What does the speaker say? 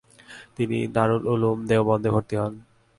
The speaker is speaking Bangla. তিনি দারুল উলূম দেওবন্দে ভর্তি হন।